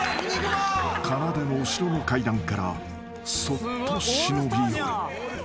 ［かなでの後ろの階段からそっと忍び寄る］